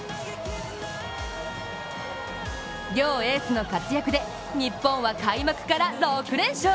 両エースの活躍で日本は開幕から６連勝。